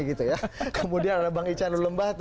kemudian ada bang ican lulumbah